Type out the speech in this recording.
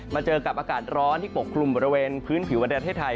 มาเจอกับอากาศร้อนที่ปกครุมบริเวณพื้นผิวอเตรียมภาคให้ไทย